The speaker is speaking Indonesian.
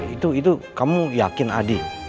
itu itu kamu yakin adi